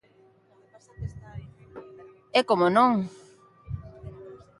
E como non!